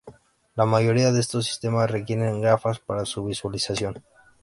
La mayoría de estos sistemas requieren gafas para su visualización.